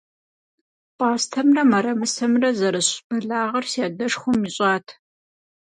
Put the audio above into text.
Пӏастэмрэ мэрэмысэмрэ зэрысщӏ бэлагъыр си адшхуэм ищӏат.